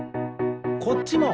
こっちも！